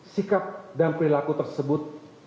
sikap dan perilaku tersebut